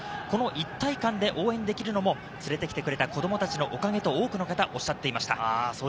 この一体感で応援できるのも連れて来てくれた子供たちのおかげと、多くの方がおっしゃっていました。